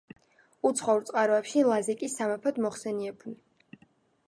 უცხოურ წყაროებში ლაზიკის სამეფოდ მოხსენიებული.